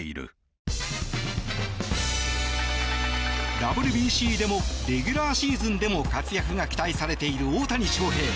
ＷＢＣでもレギュラーシーズンでも活躍が期待されている大谷翔平。